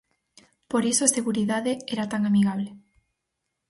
Por iso a seguridade era tan amigable.